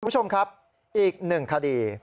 คุณผู้ชมครับอีกหนึ่งคดี